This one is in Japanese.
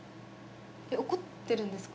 えっ怒ってるんですか？